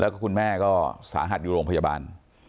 แล้วก็คุณแม่ก็สาหัสอยู่โรงพยาบาล